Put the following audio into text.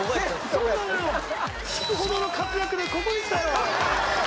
引くほどの活躍でここにきたよ・